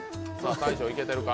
大昇、イケてるか？